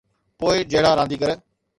پوءِ جھڙا رانديگر.